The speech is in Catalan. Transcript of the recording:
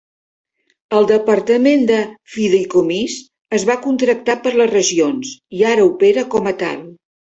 El departament de fideïcomís es va contractar per les regions i ara opera com a tal.